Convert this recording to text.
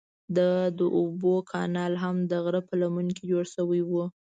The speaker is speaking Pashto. دا د اوبو کانال هم د غره په لمنه کې جوړ شوی و.